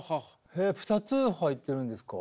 へえ２つ入ってるんですか？